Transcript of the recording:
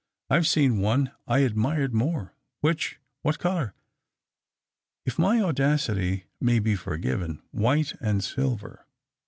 " I have seen one I admired more." "Which? What colour?" " If my audacity may be forgiven, white and silver."